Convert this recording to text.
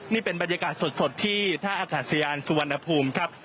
นี่เป็นบรรยากาศสดที่ท่าอากาศยานสุวรรณภูมิครับ